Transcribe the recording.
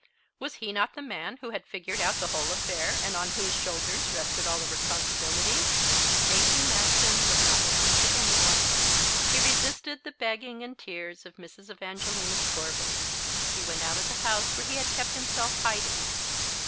Was he not the man who had figured out the whole affair and on whose shoulders rested all the responsibility? J.T. Maston would not listen to any one. He resisted the begging and tears of Mrs. Evangelina Scorbitt. He went out of the house where he had kept himself hiding.